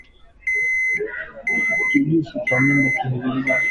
Kijusi cha mimba iliyoharibika katika kipindi cha mwisho kutokana na malale